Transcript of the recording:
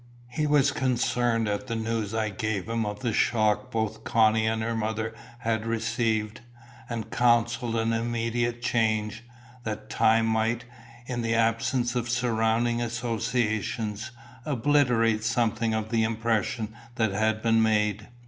He was concerned at the news I gave him of the shock both Connie and her mother had received, and counselled an immediate change, that time might, in the absence of surrounding associations, obliterate something of the impression that had been made.